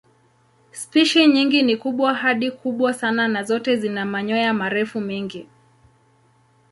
Spishi nyingi ni kubwa hadi kubwa sana na zote zina manyoya marefu mengi.